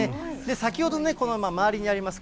先ほどの、この周りにあります